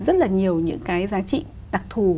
rất là nhiều những cái giá trị đặc thù